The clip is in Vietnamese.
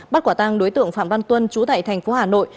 bắt quả tang đối tượng phạm văn tuân chú tại thành phố hà nội